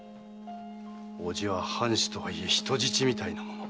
伯父は藩主とはいえ人質みたいなもの。